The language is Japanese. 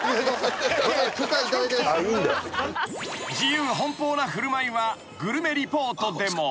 ［自由奔放な振る舞いはグルメリポートでも］